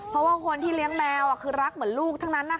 เพราะว่าคนที่เลี้ยงแมวคือรักเหมือนลูกทั้งนั้น